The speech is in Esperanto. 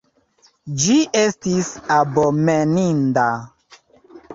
Ĝi estis abomeninda.